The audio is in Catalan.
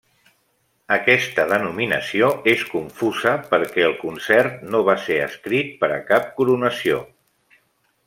Aquesta denominació és confusa perquè el concert no va ser escrit per a cap coronació.